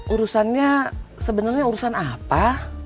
urusannya sebenernya urusan apa